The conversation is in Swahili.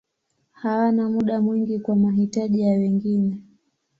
Hawana muda mwingi kwa mahitaji ya wengine.